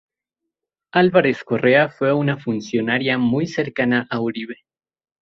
Álvarez-Correa fue una funcionaria muy cercana a Uribe.